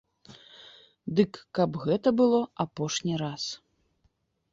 Дык каб гэта было апошні раз.